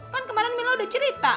kan kemarin mila udah cerita